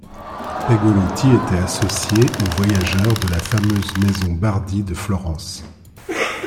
Pegolotti était associé ou voyageur de la fameuse maison Bardi de Florence.